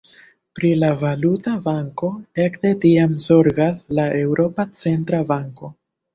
Pri la valuta banko ekde tiam zorgas la Eŭropa Centra Banko.